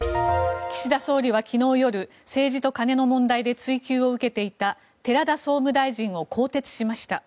岸田総理は昨日夜政治と金の問題で追及を受けていた寺田総務大臣を更迭しました。